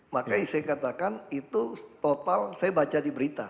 makanya saya katakan itu total saya baca di berita